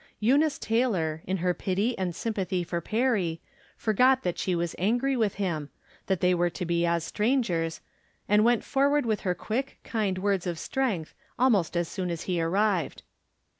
Eunice Taylor, in her pity and sympathy for Perry, forgot that she was angry with him, that they were to be as strangers, and went forward with her quick, kind words of strength, almost as soon as he arrived.